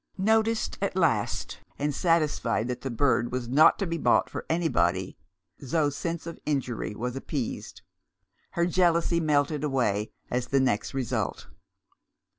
Noticed at last, and satisfied that the bird was not to be bought for anybody, Zo's sense of injury was appeased; her jealousy melted away as the next result.